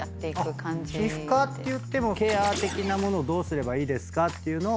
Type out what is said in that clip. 皮膚科っていってもケア的なものをどうすればいいですかっていうのを先生に。